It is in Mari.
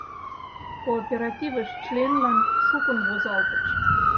Кооперативыш членлан шукын возалтыч.